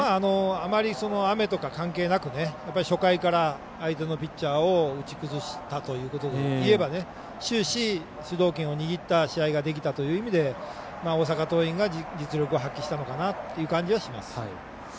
あまり雨とか関係なく初回から相手のピッチャーを打ち崩したということでいえば終始、主導権を握った試合ができたという意味では大阪桐蔭が実力を発揮したのかなという感じはします。